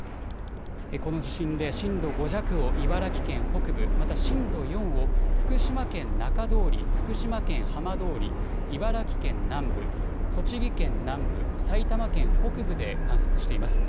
この地震で震度５弱を茨城県北部、また震度４を福島県中通り、福島県浜通り、茨城県南部、栃木県南部、埼玉県北部で観測しています。